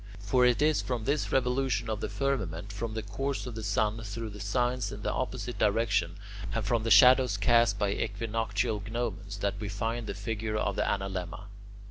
For it is from this revolution of the firmament, from the course of the sun through the signs in the opposite direction, and from the shadows cast by equinoctial gnomons, that we find the figure of the analemma.